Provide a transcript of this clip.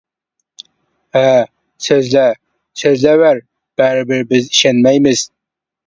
— ھە، سۆزلە، سۆزلەۋەر، بەرىبىر بىز ئىشەنمەيمىز.